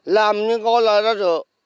làm những câu lời ra giữa